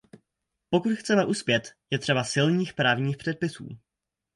Pokud chceme uspět, je třeba silných právních předpisů.